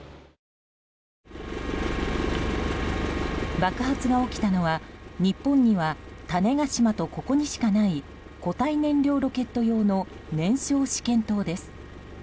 爆発が起きたのは、日本には種子島とここにしかない固体燃料ロケット用の燃焼試験棟です。